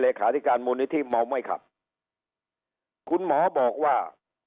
เศรษฐการมูลนิธิหมองไว้ครับคุณหมอบอกว่า